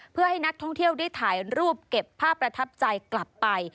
เพื่อให้นักท่องเที่ยวได้ถ่ายรูปเก็บภาพประทับใจกลับไป